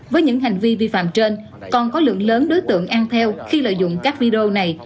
với những hành vi vi phạm trên còn có lượng lớn đối tượng an theo khi lợi dụng các video này